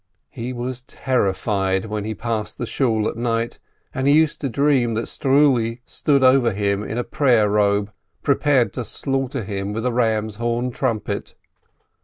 He was terrified when he passed the Shool at night, and he used to dream that Struli stood over him in a prayer robe, prepared to slaughter him with a ram's horn trumpet.